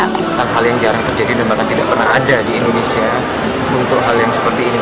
bukan hal yang jarang terjadi dan bahkan tidak pernah ada di indonesia untuk hal yang seperti ini